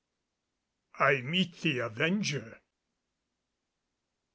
I MEET THE AVENGER.